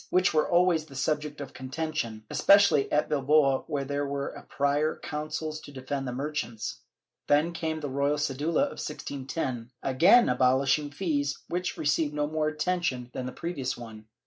Ill 33 614 CENSORSHIP [Book VIII were always the subject of contention, especially at Bilbao where there were a prior and consuls to defend the merchants.^ Then came the royal cedula of 1610, again abolishing fees, which received no more attention than the previous one.